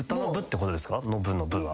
ノブのブは。